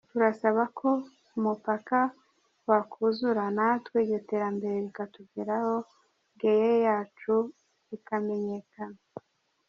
Turasaba ko umupaka wakuzura natwe iryo terambere rikatugeraho, Bweyeye yacu ikamenyekana.